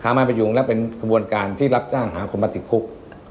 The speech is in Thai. ทางมารพยหยุงและเป็นขบวนการสร้างหาคนปฏิทรคุก